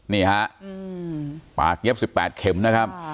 นี่ฮะปากเย็บสิบแปดเข็มนะครับ